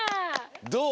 どう？